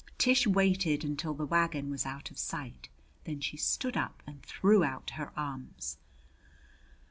Tish waited until the wagon was out of sight; then she stood up and threw out her arms.